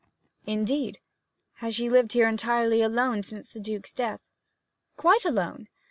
'Indeed. Has she lived here entirely alone since the Duke's death?' 'Quite alone.